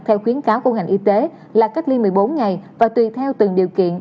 theo khuyến cáo của ngành y tế là cách ly một mươi bốn ngày và tùy theo từng điều kiện